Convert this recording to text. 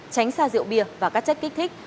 tránh xa rượu bia và các chất kích thích